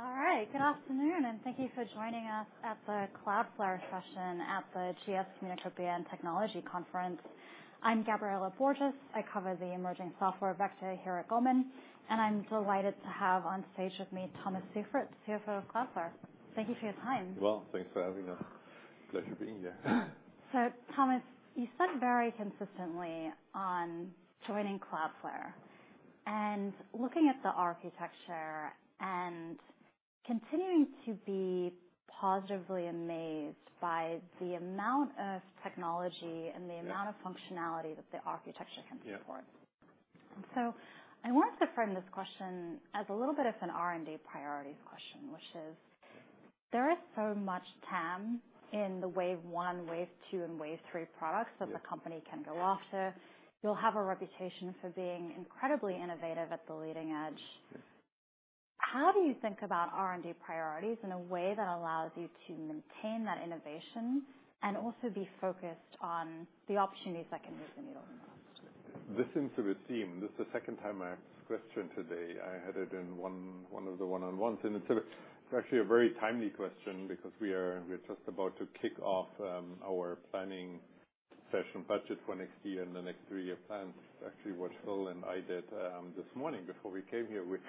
All right. Good afternoon, and thank you for joining us at the Cloudflare session at the GS Communopia and Technology Conference. I'm Gabriela Borges. I cover the emerging software vector here at Goldman, and I'm delighted to have on stage with me, Thomas Seifert, CFO of Cloudflare. Thank you for your time. Well, thanks for having us. Pleasure being here. So, Thomas, you spoke very consistently on joining Cloudflare and looking at the architecture and continuing to be positively amazed by the amount of technology. Yeah. and the amount of functionality that the architecture can support. Yeah. So I want to frame this question as a little bit of an R&D priorities question, which is: There is so much TAM in the wave one, wave two, and wave three products that the company can go after. You'll have a reputation for being incredibly innovative at the leading edge. Yes. How do you think about R&D priorities in a way that allows you to maintain that innovation and also be focused on the opportunities that can move the needle? This seems to be a theme. This is the second time I asked this question today. I had it in one of the one-on-ones, and it's actually a very timely question because we're just about to kick off our planning session budget for next year and the next three-year plan. Actually, what Phil and I did this morning before we came here, we were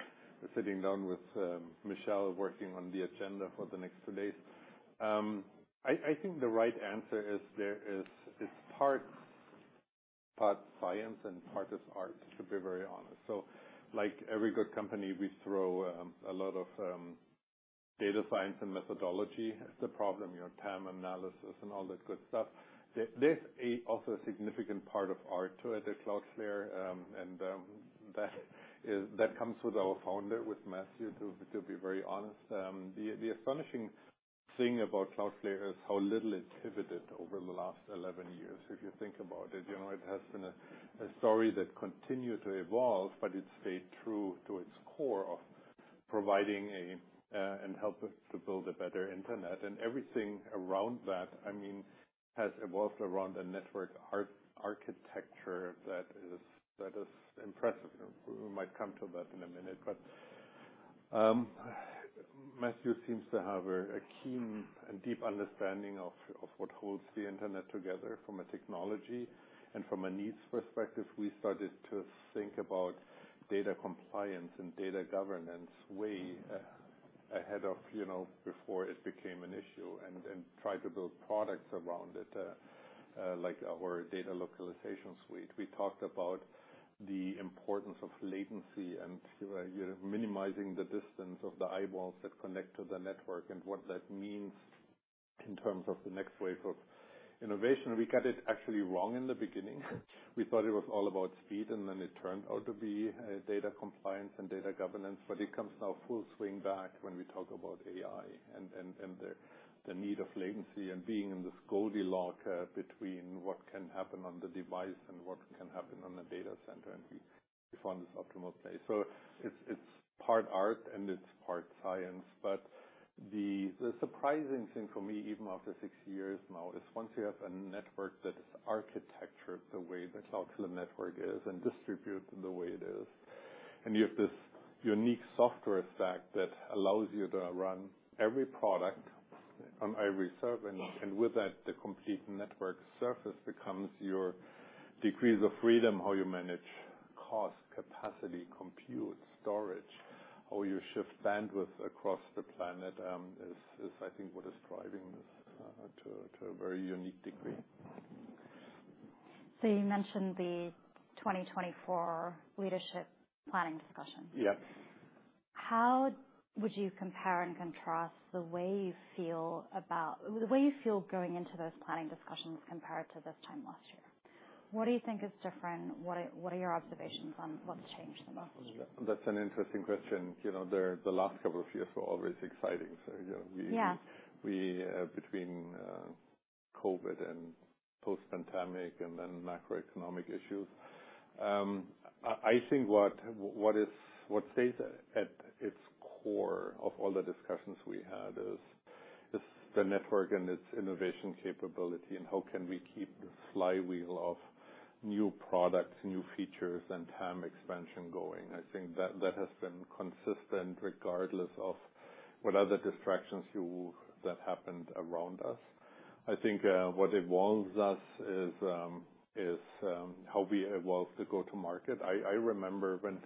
sitting down with Michelle, working on the agenda for the next two days. I think the right answer is there is, it's part science and part art, to be very honest. So like every good company, we throw a lot of data science and methodology at the problem, your TAM analysis and all that good stuff. There's also a significant part of art to it at Cloudflare, and that comes with our founder, with Matthew, to be very honest. The astonishing thing about Cloudflare is how little it pivoted over the last 11 years. If you think about it, you know, it has been a story that continued to evolve, but it stayed true to its core of providing and helping to build a better internet. And everything around that, I mean, has evolved around a network architecture that is impressive. We might come to that in a minute, but Matthew seems to have a keen and deep understanding of what holds the internet together from a technology and from a needs perspective. We started to think about data compliance and data governance way ahead of, you know, before it became an issue, and tried to build products around it, like our Data Localization Suite. We talked about the importance of latency and, you know, minimizing the distance of the eyeballs that connect to the network and what that means in terms of the next wave of innovation. We got it actually wrong in the beginning. We thought it was all about speed, and then it turned out to be data compliance and data governance, but it comes now full swing back when we talk about AI and the need of latency and being in this Goldilocks between what can happen on the device and what can happen on the data center, and we find this optimal place. So it's part art and it's part science. But the surprising thing for me, even after six years now, is once you have a network that is architectured the way the Cloudflare network is, and distributed the way it is, and you have this unique software effect that allows you to run every product on every server, and with that, the complete network surface becomes your degrees of freedom, how you manage cost, capacity, compute, storage, how you shift bandwidth across the planet, is I think what is driving this to a very unique degree. So you mentioned the 2024 leadership planning discussion. Yes. How would you compare and contrast the way you feel going into those planning discussions compared to this time last year? What do you think is different? What are your observations on what's changed in the last year? That's an interesting question. You know, the last couple of years were always exciting. Yeah. We, between COVID and post-pandemic and then macroeconomic issues, I think what stays at its core of all the discussions we had is the network and its innovation capability, and how can we keep the flywheel of new products, new features, and TAM expansion going? I think that has been consistent regardless of what other distractions that happened around us. I think what evolves us is how we evolve the go-to market. I remember when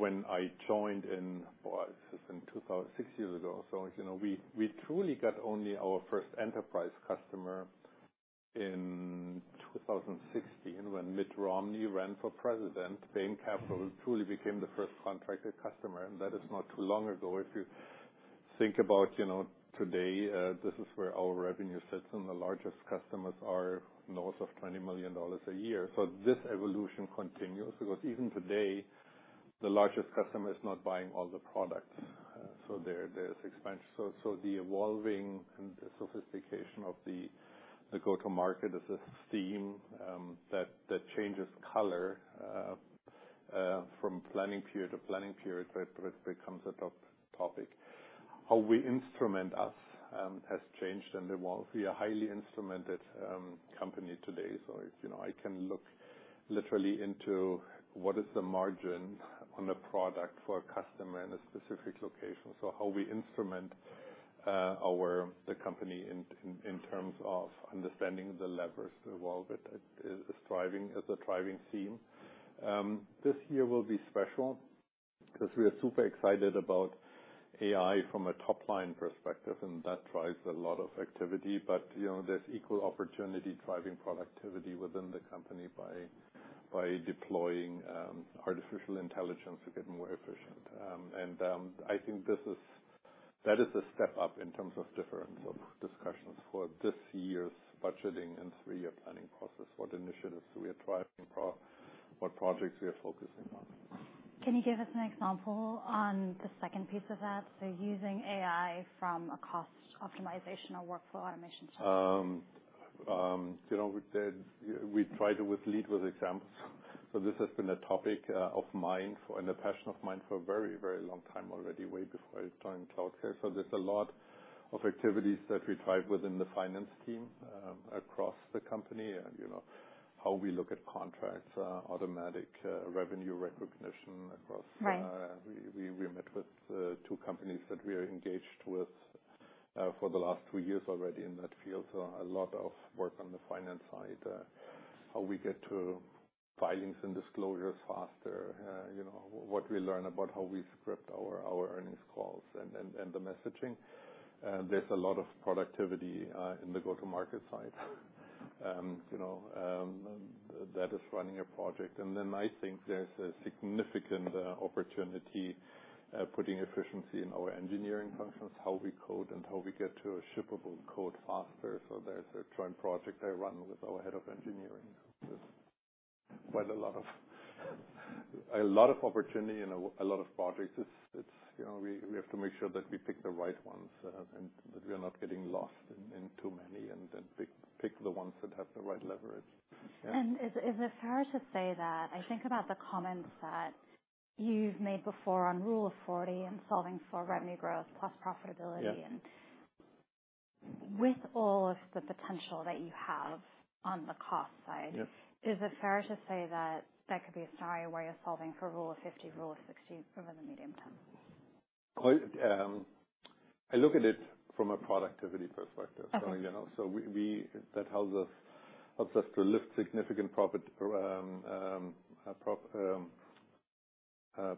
I joined in, boy, this is in 2016, six years ago. So, you know, we truly got only our first enterprise customer in 2016, when Mitt Romney ran for president. Bain Capital truly became the first contracted customer, and that is not too long ago. If you think about, you know, today, this is where our revenue sits, and the largest customers are north of $20 million a year. So this evolution continues because even today, the largest customer is not buying all the products. So there's expansion. So the evolving and the sophistication of the go-to market is a theme that changes color from planning period to planning period, but it becomes a top topic. How we instrument us has changed and evolved. We are a highly instrumented company today. So, you know, I can look literally into what is the margin on a product for a customer in a specific location. So how we instrument the company in terms of understanding the levers to evolve it is thriving, is a thriving theme. This year will be special because we are super excited about AI from a top-line perspective, and that drives a lot of activity. But, you know, there's equal opportunity driving productivity within the company by deploying artificial intelligence to get more efficient. I think this is, that is a step up in terms of difference of discussions for this year's budgeting and three-year planning process, what initiatives we are driving for, what projects we are focusing on. Can you give us an example on the second piece of that? So using AI from a cost optimization or workflow automation perspective. You know, we said we try to lead with examples. So this has been a topic of mine for, and a passion of mine for a very, very long time already, way before I joined Cloudflare. So there's a lot of activities that we drive within the finance team across the company, and, you know, how we look at contracts, automatic revenue recognition across- Right. We met with two companies that we are engaged with for the last two years already in that field. So a lot of work on the finance side, how we get to filings and disclosures faster, you know, what we learn about how we script our earnings calls and the messaging. There's a lot of productivity in the go-to-market side. You know, that is running a project. And then I think there's a significant opportunity putting efficiency in our engineering functions, how we code and how we get to a shippable code faster. So there's a joint project I run with our head of engineering. There's quite a lot of opportunity and a lot of projects. It's, you know, we have to make sure that we pick the right ones and that we are not getting lost in too many, and then pick the ones that have the right leverage. Yeah. Is it fair to say that I think about the comments that you've made before on Rule of 40 and solving for revenue growth plus profitability and with all of the potential that you have on the cost side Yes. Is it fair to say that that could be a sorry way of solving for Rule of 50, Rule of 60 over the medium term? Well, I look at it from a productivity perspective. Okay. So, you know, that helps us to lift significant profit,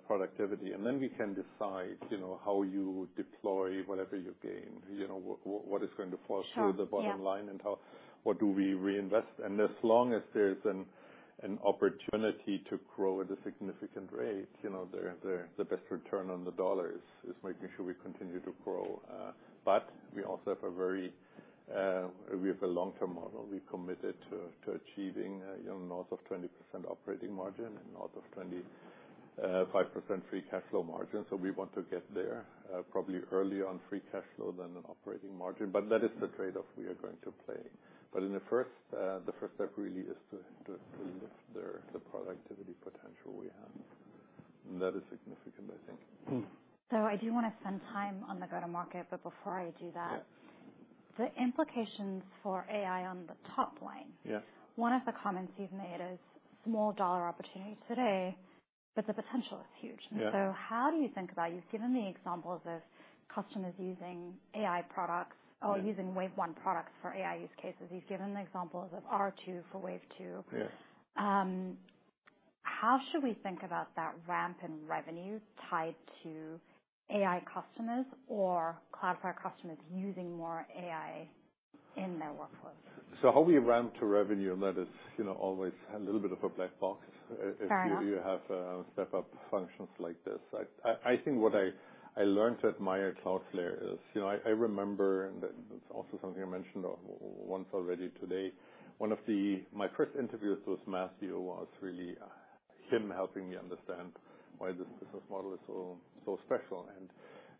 productivity. And then we can decide, you know, how you deploy whatever you gain, you know, what is going to fall through the bottom line and how—what do we reinvest. And as long as there's an opportunity to grow at a significant rate, you know, the best return on the dollar is making sure we continue to grow. But we also have a very, we have a long-term model. We're committed to achieving, you know, north of 20% operating margin and north of 25% free cash flow margin. So we want to get there, probably early on free cash flow than an operating margin, but that is the trade-off we are going to play. But in the first, the first step really is to lift the productivity potential we have. And that is significant, I think. So, I do want to spend time on the go-to-market, but before I do that the implications for AI on the top line. Yes. One of the comments you've made is small dollar opportunity today, but the potential is huge. Yeah. So how do you think about, you've given the examples of customers using AI products or using wave one products for AI use cases. You've given the examples of R2 for wave two. Yeah. How should we think about that ramp in revenue tied to AI customers or Cloudflare customers using more AI in their workflows? So how we ramp to revenue, and that is, you know, always a little bit of a black box. Fair. If you have step-up functions like this. I think what I learned to admire Cloudflare is, you know, I remember, and that's also something I mentioned once already today, one of my first interviews with Matthew was really him helping me understand why this business model is so special, and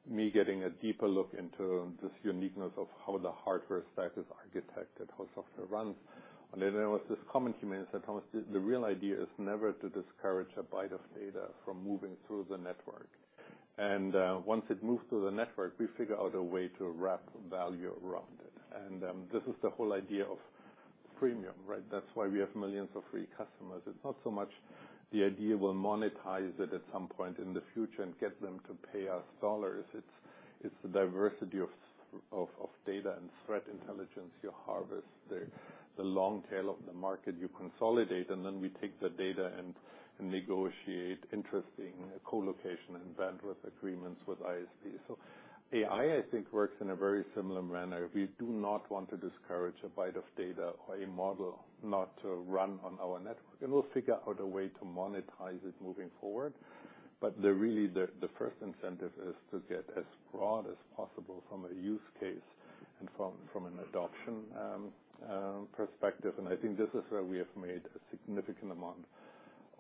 me getting a deeper look into this uniqueness of how the hardware stack is architected, how software runs. And then there was this comment he made, said, "Thomas, the real idea is never to discourage a byte of data from moving through the network. And once it moves through the network, we figure out a way to wrap value around it." And this is the whole idea of premium, right? That's why we have millions of free customers. It's not so much the idea we'll monetize it at some point in the future and get them to pay us dollars. It's the diversity of data and threat intelligence you harvest, the long tail of the market you consolidate, and then we take the data and negotiate interesting colocation and bandwidth agreements with ISP. So AI, I think, works in a very similar manner. We do not want to discourage a byte of data or a model not to run on our network, and we'll figure out a way to monetize it moving forward. But the really, the first incentive is to get as broad as possible from a use case and from an adoption perspective. And I think this is where we have made a significant amount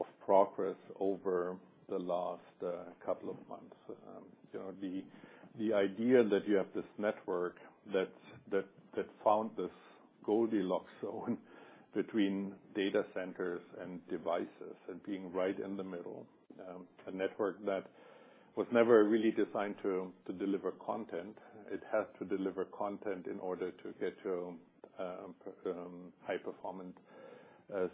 of progress over the last couple of months. You know, the idea that you have this network that found this Goldilocks zone between data centers and devices and being right in the middle. A network that was never really designed to deliver content. It has to deliver content in order to get high performance,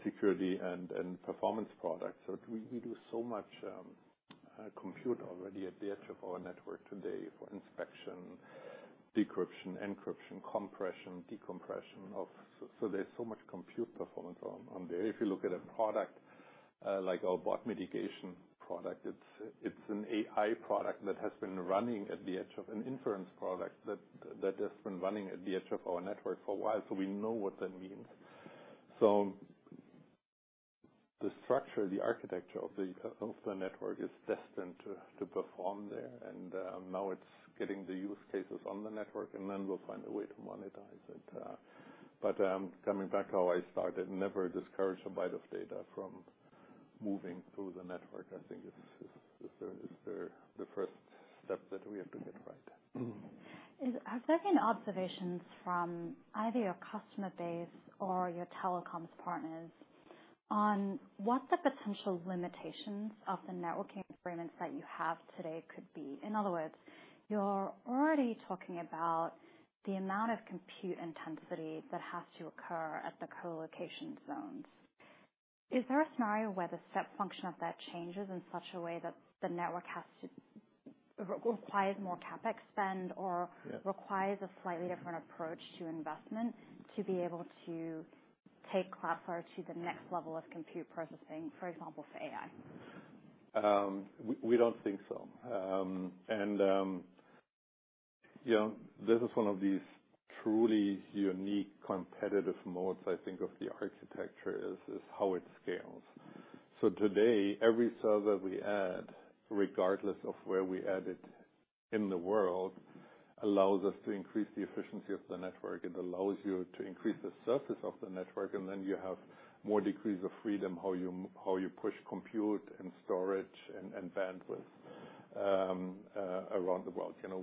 security and performance products. So we do so much compute already at the edge of our network today for inspection, decryption, encryption, compression, decompression, so there's so much compute performance on there. If you look at a product like our bot mitigation product, it's an AI product that has been running at the edge of an inference product that has been running at the edge of our network for a while, so we know what that means. So the structure, the architecture of the network is destined to perform there, and now it's getting the use cases on the network, and then we'll find a way to monetize it. But coming back to how I started, never discourage a byte of data from moving through the network, I think is the first step that we have to get right. Have there been observations from either your customer base or your telecoms partners on what the potential limitations of the networking experience that you have today could be? In other words, you're already talking about the amount of compute intensity that has to occur at the co-location zones. Is there a scenario where the step function of that changes in such a way that the network requires more CapEx spend, or requires a slightly different approach to investment, to be able to take Cloudflare to the next level of compute processing, for example, for AI? We don't think so. And you know, this is one of these truly unique competitive modes, I think, of the architecture, is how it scales. So today, every server we add, regardless of where we add it in the world, allows us to increase the efficiency of the network. It allows you to increase the surface of the network, and then you have more degrees of freedom, how you push compute and storage and bandwidth around the world. You know,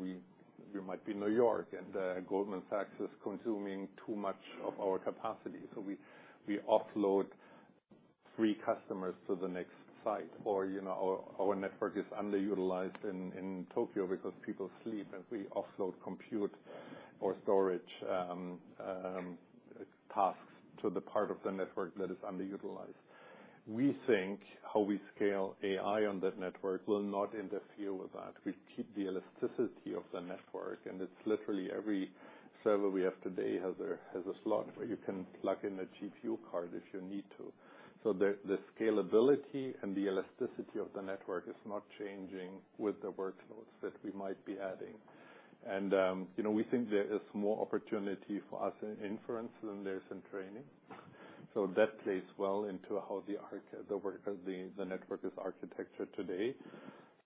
you might be in New York, and Goldman Sachs is consuming too much of our capacity, so we offload three customers to the next site. Or, you know, our network is underutilized in Tokyo because people sleep, and we offload compute or storage tasks to the part of the network that is underutilized. We think how we scale AI on that network will not interfere with that. We keep the elasticity of the network, and it's literally every server we have today has a slot where you can plug in a GPU card if you need to. So the scalability and the elasticity of the network is not changing with the workloads that we might be adding. And, you know, we think there is more opportunity for us in inference than there is in training. So that plays well into how the network is architected today.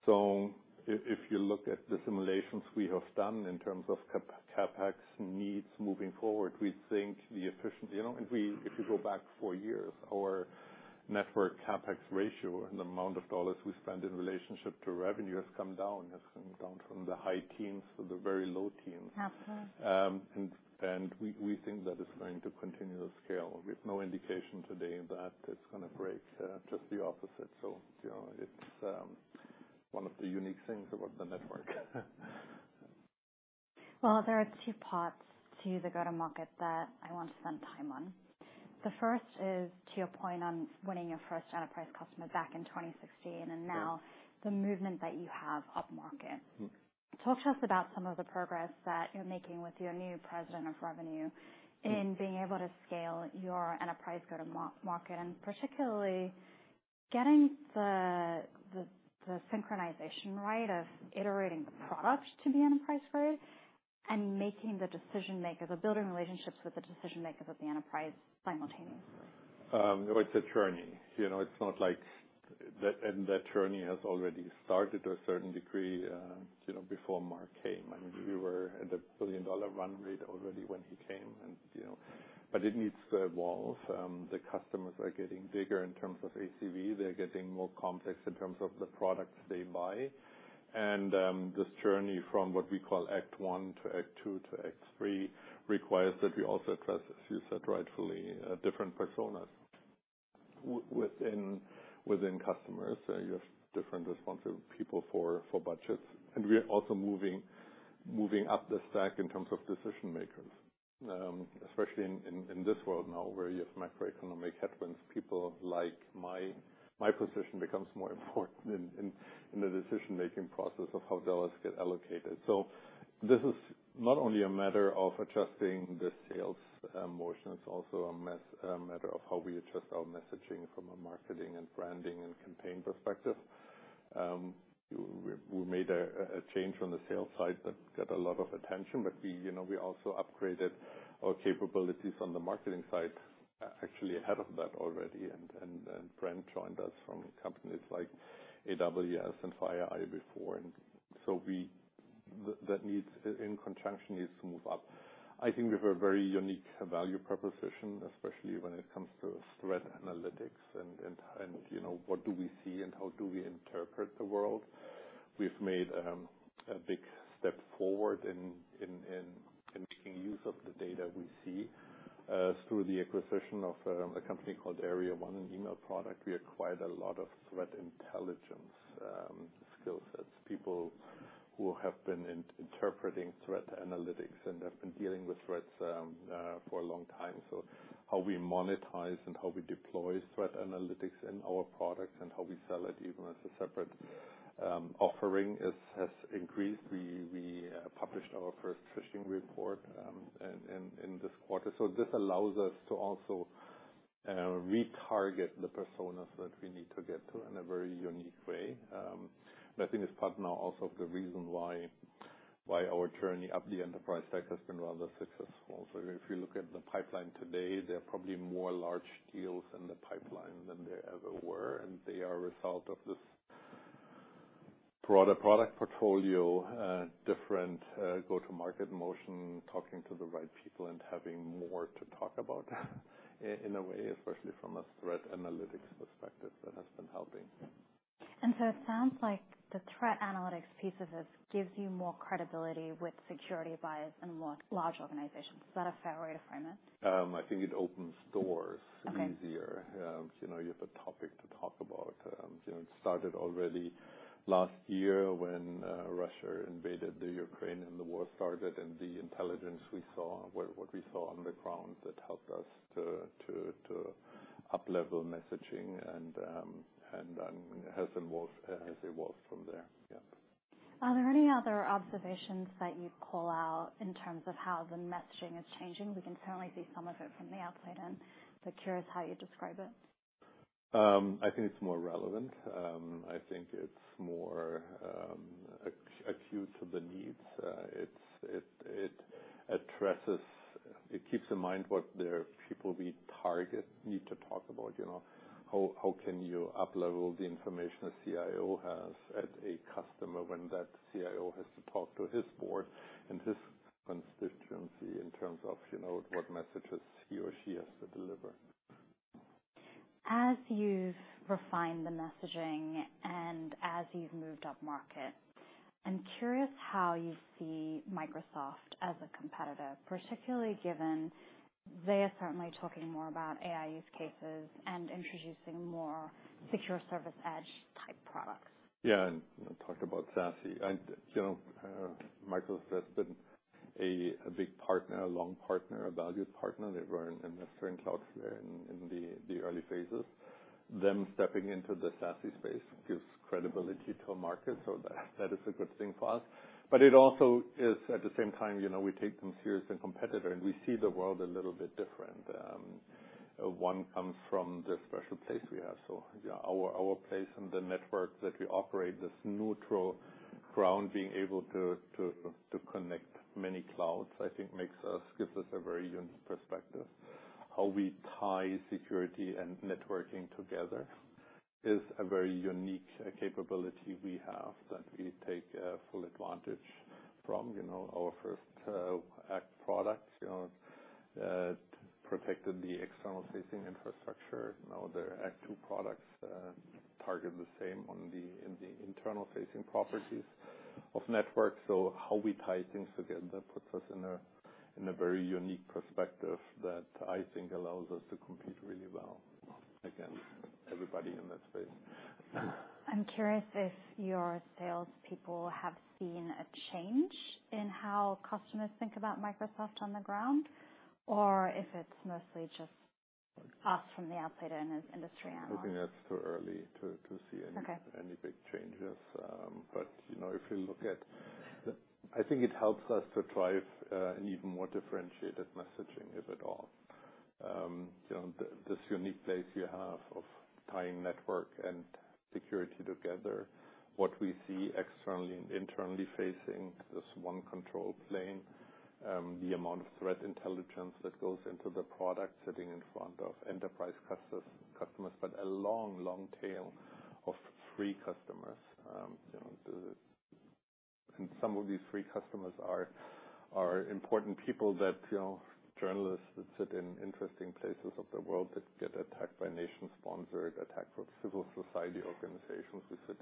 So if you look at the simulations we have done in terms of CapEx, CapEx needs moving forward, we think the efficiency. You know, if you go back four years, our network CapEx ratio and the amount of dollars we spend in relationship to revenue has come down, has come down from the high teens to the very low teens. Absolutely. And we think that it's going to continue to scale. We have no indication today that it's gonna break, just the opposite. So, you know, it's one of the unique things about the network. Well, there are two parts to the go-to-market that I want to spend time on. The first is to your point on winning your first enterprise customer back in 2016, and now the movement that you have upmarket. Talk to us about some of the progress that you're making with your new Vice President of Revenue in being able to scale your enterprise go-to-market, and particularly getting the synchronization right of iterating the product to the enterprise grade, and making the decision makers or building relationships with the decision makers at the enterprise simultaneously. Well, it's a journey. You know, it's not like that, and that journey has already started to a certain degree, you know, before Mark came. I mean, we were at a billion-dollar run rate already when he came and, you know. But it needs third walls. The customers are getting bigger in terms of ACV. They're getting more complex in terms of the products they buy. And this journey from what we call Act One to Act Two to Act Three requires that we also address, as you said, rightfully, different personas within customers. You have different responsible people for budgets. And we are also moving up the stack in terms of decision makers. Especially in this world now, where you have macroeconomic headwinds, people like my position becomes more important in the decision-making process of how dollars get allocated. So this is not only a matter of adjusting the sales motion, it's also a matter of how we adjust our messaging from a marketing and branding and campaign perspective. We made a change on the sales side that got a lot of attention, but we, you know, we also upgraded our capabilities on the marketing side, actually ahead of that already, and Brent joined us from companies like AWS and F5 before. And so that needs, in conjunction, needs to move up. I think we have a very unique value proposition, especially when it comes to threat analytics and, you know, what do we see and how do we interpret the world? We've made a big step forward in making use of the data we see through the acquisition of a company called Area 1, an email product. We acquired a lot of threat intelligence, skill sets, people who have been interpreting threat analytics and have been dealing with threats for a long time. So how we monetize and how we deploy threat analytics in our products and how we sell it even as a separate offering has increased. We published our first phishing report in this quarter. So this allows us to also retarget the personas that we need to get to in a very unique way. And I think it's part now also of the reason why our journey up the enterprise tech has been rather successful. So if you look at the pipeline today, there are probably more large deals in the pipeline than there ever were, and they are a result of this broader product portfolio, different go-to-market motion, talking to the right people, and having more to talk about, in a way, especially from a threat analytics perspective, that has been helping. So it sounds like the threat analytics piece of this gives you more credibility with security buyers and more large organizations. Is that a fair way to frame it? I think it opens doors easier. You know, you have a topic to talk about. You know, it started already last year when Russia invaded the Ukraine, and the war started, and the intelligence we saw, what we saw on the ground, that helped us to up-level messaging and it has evolved, it evolved from there. Yeah. Are there any other observations that you'd call out in terms of how the messaging is changing? We can certainly see some of it from the outside in, but curious how you'd describe it. I think it's more relevant. I think it's more acute to the needs. It addresses... It keeps in mind what the people we target need to talk about, you know? How can you up-level the information a CIO has at a customer when that CIO has to talk to his board and his constituency in terms of, you know, what messages he or she has to deliver? As you've refined the messaging and as you've moved up market, I'm curious how you see Microsoft as a competitor, particularly given they are certainly talking more about AI use cases and introducing more Secure Access Service Edge-type products. Yeah, and, you know, talked about SASE. And, you know, Microsoft has been a, a big partner, a long partner, a valued partner. They were an investor in Cloudflare in, in the, the early phases. Them stepping into the SASE space gives credibility to a market, so that, that is a good thing for us. But it also is at the same time, you know, we take them serious as a competitor, and we see the world a little bit different. One comes from this special place we have. So yeah, our, our place in the network that we operate, this neutral ground, being able to, to, to connect many clouds, I think makes us-- gives us a very unique perspective. How we tie security and networking together is a very unique capability we have that we take full advantage from. You know, our first Act 1 product, you know, protected the external-facing infrastructure. Now, the Act 2 products target the same in the internal-facing properties of networks. So how we tie things together puts us in a very unique perspective that I think allows us to compete really well against everybody in that space. I'm curious if your salespeople have seen a change in how customers think about Microsoft on the ground, or if it's mostly just us from the outside and as industry analyst? I think it's too early to see any big changes. But, you know, if you look at the... I think it helps us to drive an even more differentiated messaging, if at all. You know, this unique place you have of tying network and security together, what we see externally and internally facing this one control plane, the amount of threat intelligence that goes into the product sitting in front of enterprise customers, customers, but a long, long tail of free customers. You know, and some of these free customers are important people that, you know, journalists that sit in interesting places of the world that get attacked by nation-sponsored, attacked by civil society organizations, who sit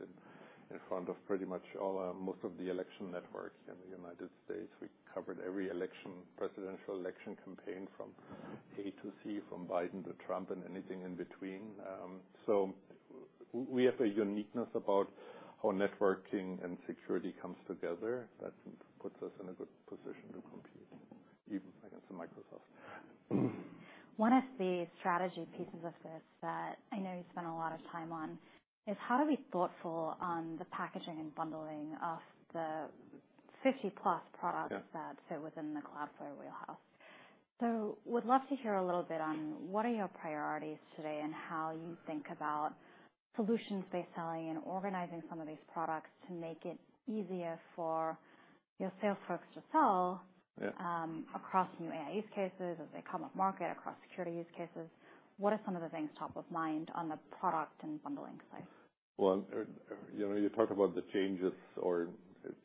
in front of pretty much all most of the election networks in the United States. We covered every election, presidential election campaign from A to Z, from Biden to Trump and anything in between. So we have a uniqueness about how networking and security comes together that puts us in a good position to compete, even against the Microsoft. One of the strategy pieces of this that I know you spent a lot of time on, is how to be thoughtful on the packaging and bundling of the 50 plus products that fit within the Cloudflare wheelhouse. So would love to hear a little bit on what are your priorities today, and how you think about solutions-based selling and organizing some of these products to make it easier for your sales folks to sell across new AI use cases as they come up market, across security use cases. What are some of the things top of mind on the product and bundling side? Well, you know, you talk about the changes, or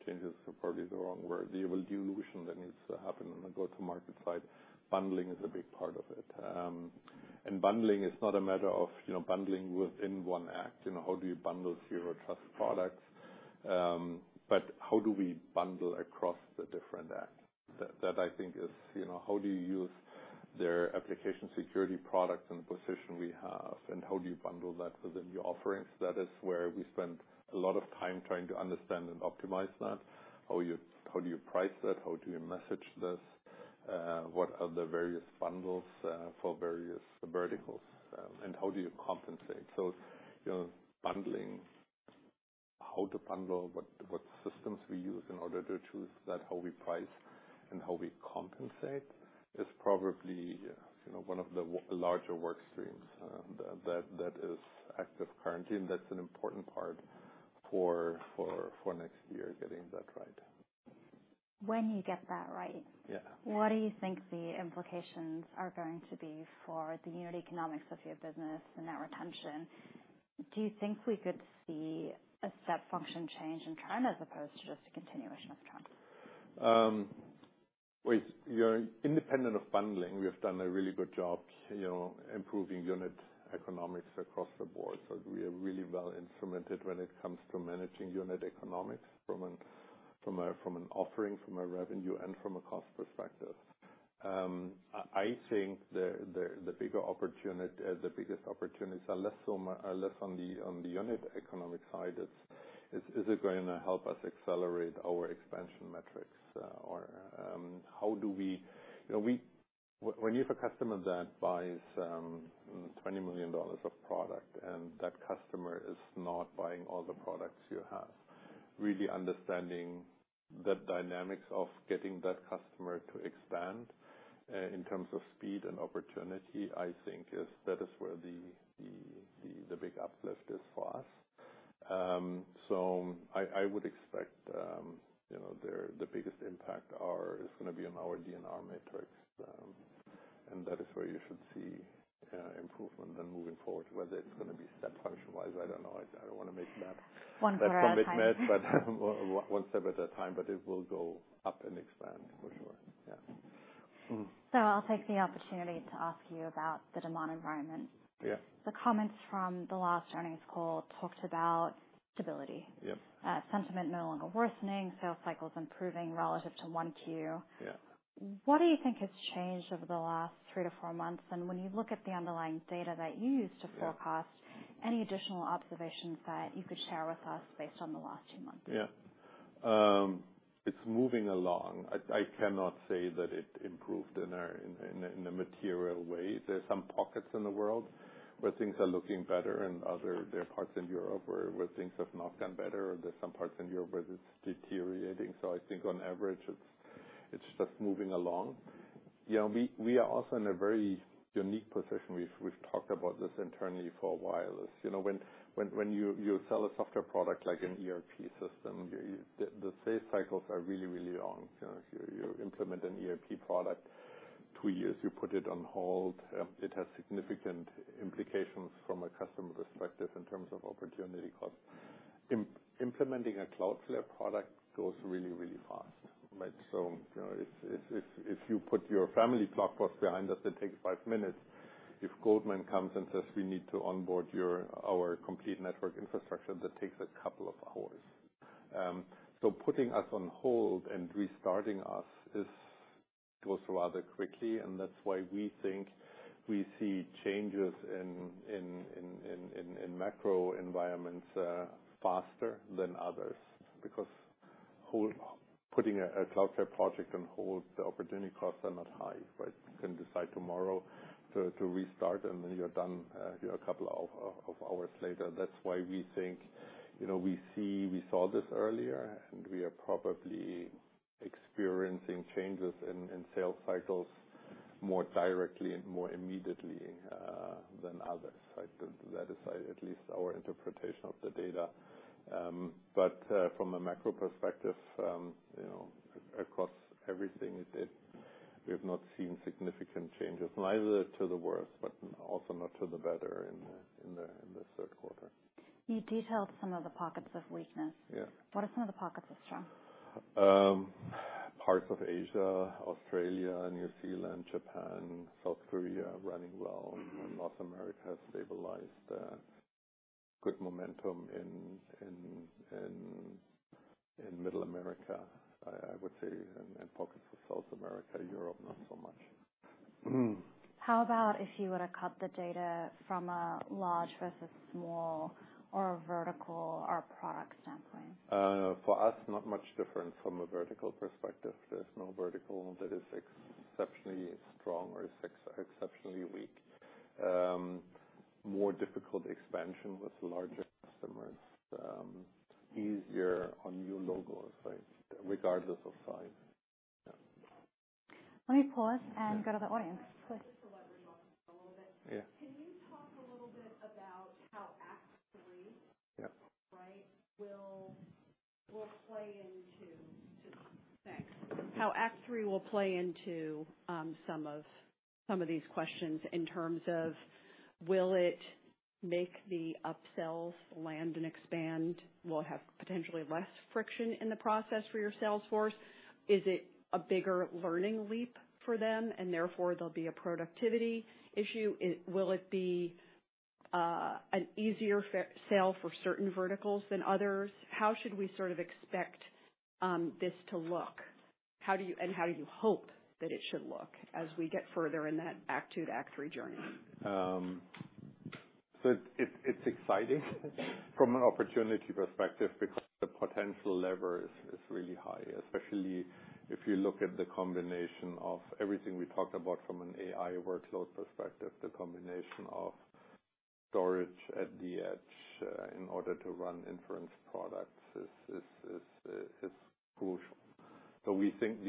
changes is probably the wrong word. The dilution that needs to happen on the go-to-market side, bundling is a big part of it. And bundling is not a matter of, you know, bundling within one act. You know, how do you bundle zero trust products? But how do we bundle across the different acts? That, that I think is, you know, how do you use their application security products and the position we have, and how do you bundle that within your offerings? That is where we spend a lot of time trying to understand and optimize that. How do you price that? How do you message this? What are the various bundles for various verticals, and how do you compensate? So, you know, bundling, how to bundle, what systems we use in order to choose that, how we price and how we compensate, is probably, you know, one of the larger work streams that is active currently, and that's an important part for next year, getting that right. When you get that right what do you think the implications are going to be for the unit economics of your business and net retention? Do you think we could see a step function change in trend as opposed to just a continuation of trend? Wait, you know, independent of bundling, we have done a really good job, you know, improving unit economics across the board. So we are really well instrumented when it comes to managing unit economics from an offerings, from a revenue, and from a cost perspective. I think the bigger opportunity, the biggest opportunities are less on the unit economic side. Is it going to help us accelerate our expansion metrics? You know, when you have a customer that buys $20 million of product, and that customer is not buying all the products you have, really understanding the dynamics of getting that customer to expand in terms of speed and opportunity, I think is that is where the big uplift is for us. So I would expect, you know, the biggest impact is gonna be on our DNR metrics. And that is where you should see improvement. Then moving forward, whether it's gonna be step function wise, I don't know. I don't want to make that. One step at a time. Commitment, but one step at a time, but it will go up and expand, for sure. Yeah. I'll take the opportunity to ask you about the demand environment. Yeah. The comments from the last earnings call talked about stability. Yeah. Sentiment no longer worsening, sales cycles improving relative to 1Q. Yeah. What do you think has changed over the last three to four months? When you look at the underlying data that you use to forecast any additional observations that you could share with us based on the last two months? Yeah. It's moving along. I cannot say that it improved in a material way. There's some pockets in the world where things are looking better, and there are parts in Europe where things have not gotten better, or there's some parts in Europe where it's deteriorating. So I think on average, it's just moving along. You know, we are also in a very unique position. We've talked about this internally for a while. As you know, when you sell a software product like an ERP system, the sales cycles are really, really long. You know, you implement an ERP product two years, you put it on hold, it has significant implications from a customer perspective in terms of opportunity cost. Implementing a Cloudflare product goes really, really fast, right? So, you know, if you put your entire workload behind us, it takes five minutes. If Goldman comes and says, "We need to onboard our complete network infrastructure," that takes a couple of hours. So putting us on hold and restarting us goes rather quickly, and that's why we think we see changes in macro environments faster than others. Because putting a Cloudflare project on hold, the opportunity costs are not high, right? You can decide tomorrow to restart, and then you're done a couple of hours later. That's why we think, you know, we see—we saw this earlier, and we are probably experiencing changes in sales cycles more directly and more immediately than others. So that is at least our interpretation of the data. From a macro perspective, you know, across everything, we have not seen significant changes, neither to the worst, but also not to the better in the third quarter. You detailed some of the pockets of weakness. Yeah. What are some of the pockets of strength? Parts of Asia, Australia, New Zealand, Japan, South Korea are running well. North America has stabilized, good momentum in Middle America. I would say in pockets of South America, Europe, not so much. How about if you were to cut the data from a large versus small or a vertical or product standpoint? For us, not much different from a vertical perspective. There's no vertical that is exceptionally strong or is exceptionally weak. More difficult expansion with larger customers, easier on new logos, right, regardless of size. Yeah. Let me pause and go to the audience. Please. A little bit. Yeah. Can you talk a little bit about how Act Three will play into just—thanks. How Act Three will play into some of these questions in terms of will it make the upsells land and expand, will it have potentially less friction in the process for your sales force? Is it a bigger learning leap for them and therefore there'll be a productivity issue? It— Will it be an easier sale for certain verticals than others? How should we sort of expect this to look? How do you— And how do you hope that it should look as we get further in that Act Two to Act Three journey? So it's exciting from an opportunity perspective, because the potential lever is really high. Especially if you look at the combination of everything we talked about from an AI workload perspective, the combination of storage at the edge in order to run inference products is crucial. So we think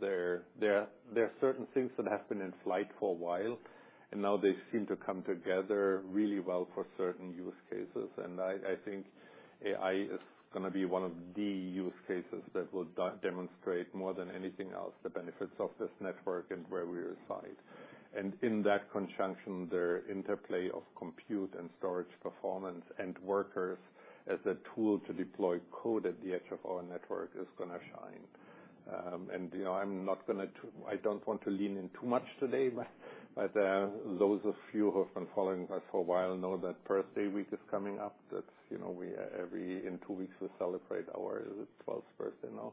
there are certain things that have been in flight for a while, and now they seem to come together really well for certain use cases. And I think AI is gonna be one of the use cases that will demonstrate more than anything else the benefits of this network and where we reside. And in that conjunction, the interplay of compute and storage performance and workers as a tool to deploy code at the edge of our network is gonna shine. You know, I'm not gonna—I don't want to lean in too much today, but those of you who have been following us for a while know that birthday week is coming up. That's, you know, in two weeks we celebrate our twelfth birthday now.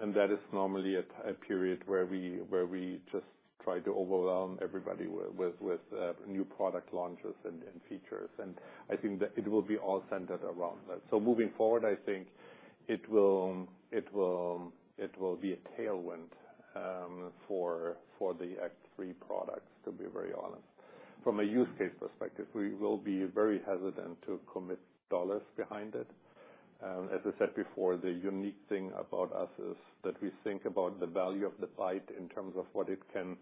And that is normally a period where we just try to overwhelm everybody with new product launches and features. And I think that it will be all centered around that. So moving forward, I think it will be a tailwind for the Act Three products, to be very honest. From a use case perspective, we will be very hesitant to commit dollars behind it. As I said before, the unique thing about us is that we think about the value of the byte in terms of what it can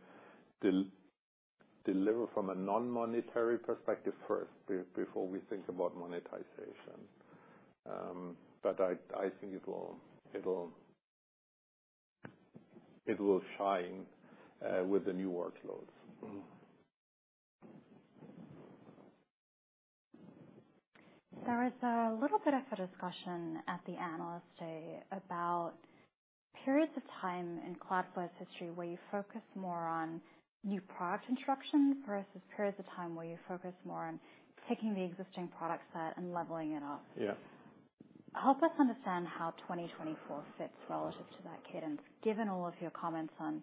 deliver from a non-monetary perspective first, before we think about monetization. But I think it will shine with the new workloads. There was a little bit of a discussion at the analyst day about periods of time in Cloudflare's history, where you focus more on new product introduction versus periods of time where you focus more on taking the existing product set and leveling it up. Yeah. Help us understand how 2024 fits relative to that cadence, given all of your comments on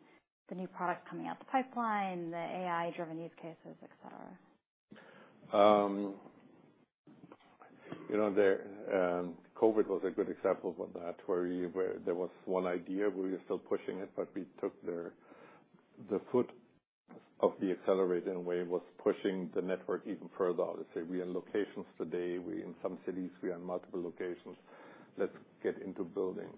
the new products coming out the pipeline, the AI-driven use cases, et cetera. You know, the COVID was a good example of that, where you—where there was one idea, we were still pushing it, but we took the foot of the accelerator, and we was pushing the network even further. Let's say we are in locations today, we in some cities, we are in multiple locations. Let's get into buildings.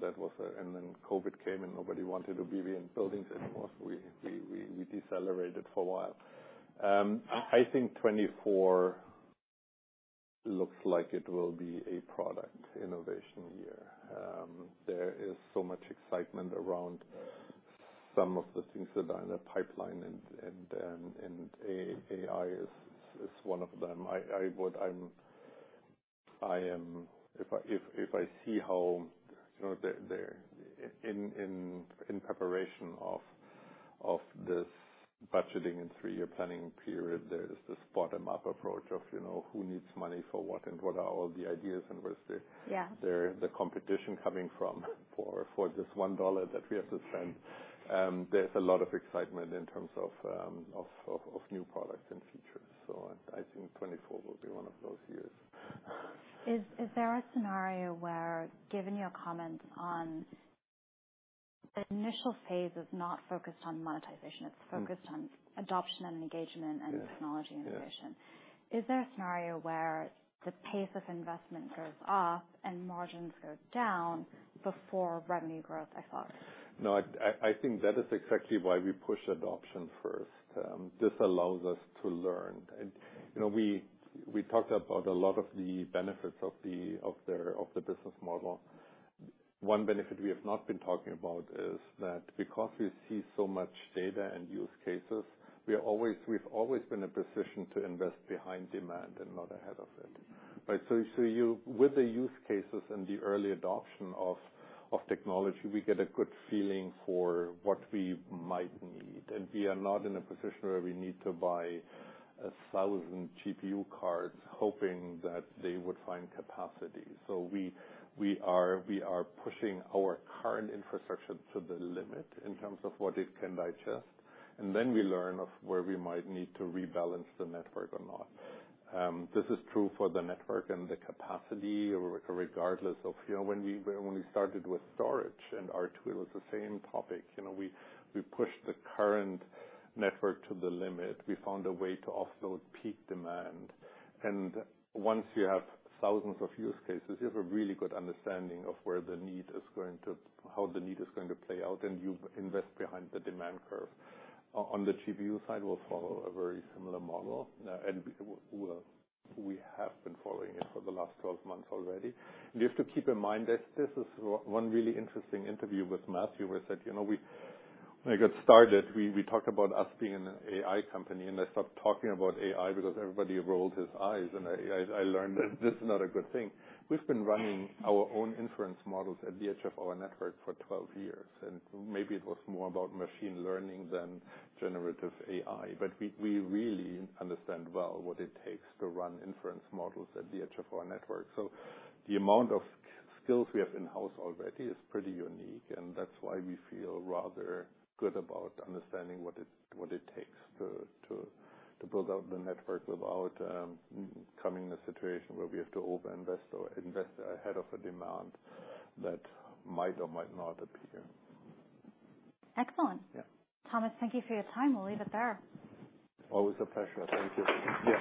That was a... And then COVID came, and nobody wanted to be in buildings anymore, so we decelerated for a while. I think 2024 looks like it will be a product innovation year. There is so much excitement around some of the things that are in the pipeline and AI is one of them. If I see how, you know, the in preparation of this budgeting and three-year planning period, there is this bottom-up approach of, you know, who needs money for what and what are all the ideas and where's the competition coming from for this one dollar that we have to spend. There's a lot of excitement in terms of new products and features. So I think 2024 will be one of those years. Is there a scenario where, given your comments on the initial phase is not focused on monetization, it's focused on adoption and engagement and technology innovation? Yeah. Is there a scenario where the pace of investment goes up and margins go down before revenue growth accelerates? No, I think that is exactly why we push adoption first. This allows us to learn. You know, we talked about a lot of the benefits of the business model. One benefit we have not been talking about is that because we see so much data and use cases, we are always—we've always been in a position to invest behind demand and not ahead of it, right? So you—with the use cases and the early adoption of technology, we get a good feeling for what we might need. And we are not in a position where we need to buy 1,000 GPU cards, hoping that they would find capacity. So we are pushing our current infrastructure to the limit in terms of what it can digest, and then we learn of where we might need to rebalance the network or not. This is true for the network and the capacity, regardless of, you know, when we started with storage and R2, it was the same topic. You know, we pushed the current network to the limit. We found a way to offload peak demand. And once you have thousands of use cases, you have a really good understanding of how the need is going to play out, and you invest behind the demand curve. On the GPU side, we'll follow a very similar model, and we have been following it for the last 12 months already. You have to keep in mind that this is one really interesting interview with Matthew, where I said: You know, we, when I got started, we, we talked about us being an AI company, and I stopped talking about AI because everybody rolled his eyes, and I, I learned that this is not a good thing. We've been running our own inference models at the edge of our network for 12 years, and maybe it was more about machine learning than generative AI, but we, we really understand well what it takes to run inference models at the edge of our network. The amount of skills we have in-house already is pretty unique, and that's why we feel rather good about understanding what it takes to build out the network without coming in a situation where we have to over-invest or invest ahead of a demand that might or might not appear. Excellent. Yeah. Thomas, thank you for your time. We'll leave it there. Always a pleasure. Thank you. Yes.